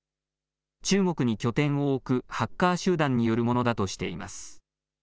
中国に拠点を置くハッカー集団によるものだとしています。